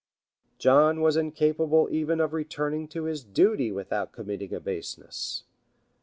John was incapable even of returning to his duty without committing a baseness.